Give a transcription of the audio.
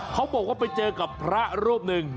เค้าบอกว่าไปเจอกับพระรอบนึง